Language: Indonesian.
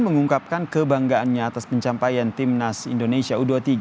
mengungkapkan kebanggaannya atas pencapaian timnas indonesia u dua puluh tiga